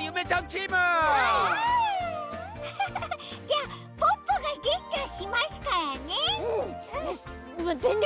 じゃあポッポがジェスチャーしますからね。よ